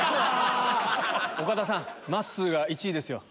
岡田さんまっすーが１位ですよ。